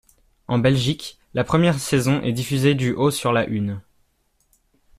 En Belgique, la première saison est diffusée du au sur La Une.